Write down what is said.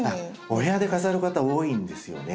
お部屋で飾る方多いんですよね。